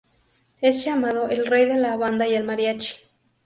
Es llamado el "Rey de la Banda y el Mariachi".